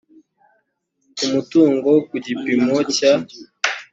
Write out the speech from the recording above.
ku mutungo ku gipimo cya